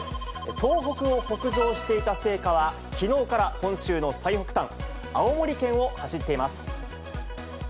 東北を北上していた聖火は、きのうから本州の最北端、青森県を走っています。